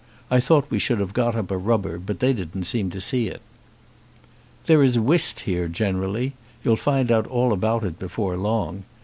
I thought we should have got up a rubber, but they didn't seem to see it." "There is whist here generally. You'll find out all about it before long.